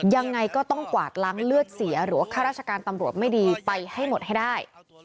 ยังไงก็ต้องกวาดล้างเลือดเสียหรือว่าข้าราชการตำรวจไม่ดีไปให้หมดให้ได้